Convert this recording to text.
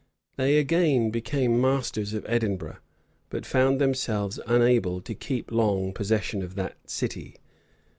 They again became masters of Edinburgh; but found themselves unable to keep long possession of that city.